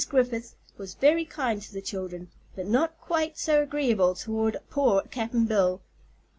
Griffith was very kind to the children, but not quite so agreeable toward poor Cap'n Bill.